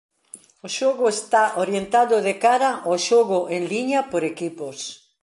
O xogo está orientado de cara ao xogo en liña por equipos.